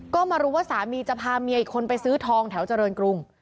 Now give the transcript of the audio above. ก็มารู้ว่าสามีจะพาเมียอีกคนไปซื้อทองแถวเจริญกรุง